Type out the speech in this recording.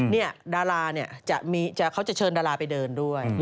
นี่ดาราเนี่ยเขาจะเชิญดาราไปเดินด้วย